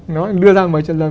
nói đưa ra mời chào hấp dẫn